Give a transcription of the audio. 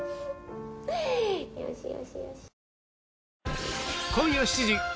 よしよしよし。